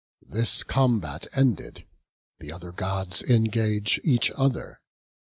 This combat ended, the other gods engage each other.